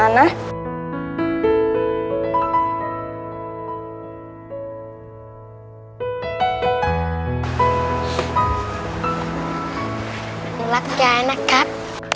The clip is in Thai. หนูรักยายนะครับ